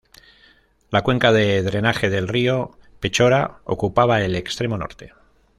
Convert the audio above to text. La cuenca de drenaje del río Pechora ocupaba el extremo norte.